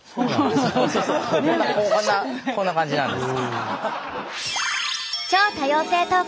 こんなこんな感じなんです。